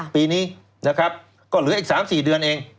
ปีนี้นะครับก็เหลืออีก๓๔เดือนเอง